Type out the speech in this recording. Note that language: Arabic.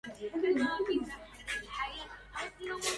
ما زلت بين الورى حيران ذا كلف